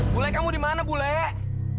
kulek kamu dimana kulek